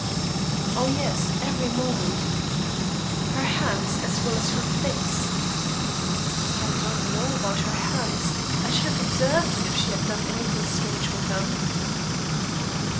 "Oh, yes every moment." "Her hands as well as her face?" "I don't know about her hands. I should have observed it if she had done anything strange with them."